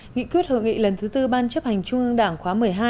nghị quyết hội nghị lần thứ tư ban chấp hành trung ương đảng khóa một mươi hai